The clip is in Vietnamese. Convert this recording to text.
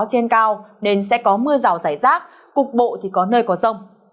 trên cao nên sẽ có mưa rào dài rác cục bộ thì có nơi có sông